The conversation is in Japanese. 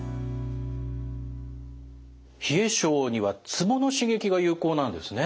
冷え症にはツボの刺激が有効なんですね。